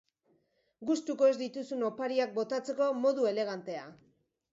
Gustuko ez dituzun opariak botatzeko modu elegantea.